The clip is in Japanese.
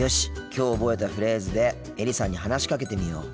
きょう覚えたフレーズでエリさんに話しかけてみよう。